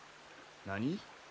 何？